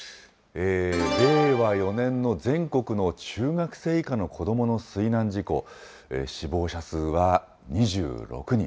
令和４年の全国の中学生以下の子どもの水難事故、死亡者数は２６人。